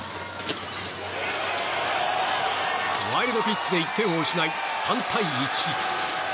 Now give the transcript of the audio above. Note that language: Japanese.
ワイルドピッチで１点を失い３対１。